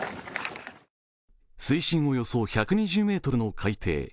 水深およそ１２０ｍの海底。